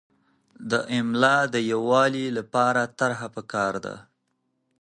د املاء د یووالي لپاره طرحه پکار ده.